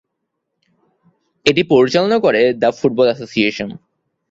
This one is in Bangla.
এটি পরিচালনা করে দ্য ফুটবল এসোসিয়েশন।